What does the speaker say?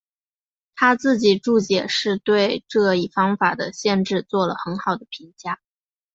他自己注解是对这一方法的限制做了很好的评价。